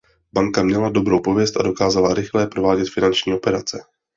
Banka měla dobrou pověst a dokázala rychle provádět finanční operace.